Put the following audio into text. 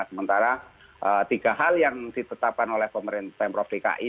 sementara tiga hal yang ditetapkan oleh pemerintah prodiki